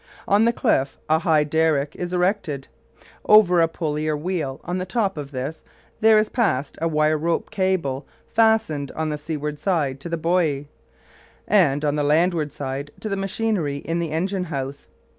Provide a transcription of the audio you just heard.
On the cliff a high derrick is erected. Over a pulley or wheel on the top of this there is passed a wire rope cable fastened on the seaward side to the buoy, and on the landward side to the machinery in the engine house.